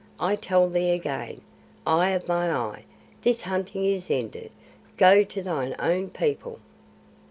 I tell thee again, eye of my eye, this hunting is ended. Go to thine own people."